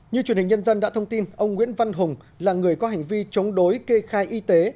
như truyền hình nhân dân đã thông tin ông nguyễn văn hùng là người có hành vi chống đối kê khai y tế